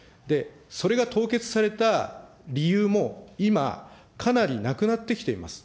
それが凍結された理由も今、かなりなくなってきています。